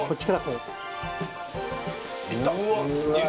うわっすげえ！